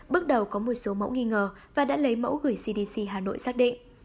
bước đầu có một số mẫu nghi ngờ và đã lấy mẫu gửi cdc hà nội xác định